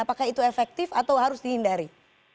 apakah itu efektif atau harus dihindari